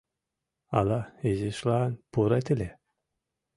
— Ала изишлан пурет ыле?